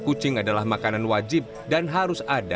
kucing adalah makanan wajib dan harus ada